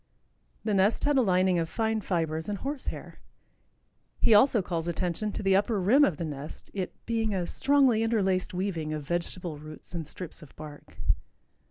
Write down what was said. The nest had a lining of fine fibers and horse hair. He also calls attention to the upper rim of the nest, it "being a strongly interlaced weaving of vegetable roots and strips of bark."